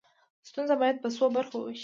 ستونزه باید په څو برخو وویشو.